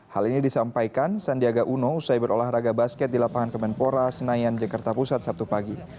hal ini disampaikan sandiaga uno cyber olahraga basket di lapangan kemenpora senayan jakarta pusat sabtu pagi